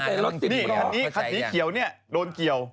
อันนี้ขัดสีเขียวโดนเกี่ยว